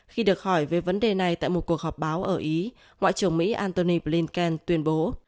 khi được hỏi về vấn đề này tại một cuộc họp báo ở ý ngoại trưởng mỹ antony blinken tuyên bố